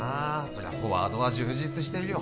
そりゃフォワードは充実してるよ